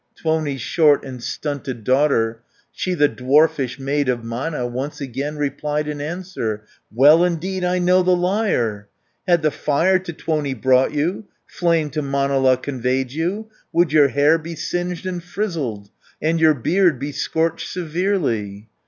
Tuoni's short and stunted daughter. She the dwarfish maid of Mana, 230 Once again replied in answer: "Well indeed I know the liar! Had the fire to Tuoni brought you, Flame to Manala conveyed you, Would your hair be singed and frizzled, And your beard be scorched severely.